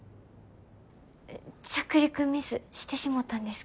え着陸ミスしてしもたんですけど。